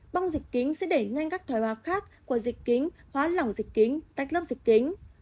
bong dịch kính sẽ để nhanh các thói hoa khác của dịch kính hóa lỏng dịch kính tách lớp dịch kính